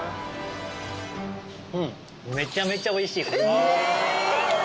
うん、めちゃめちゃおいしい。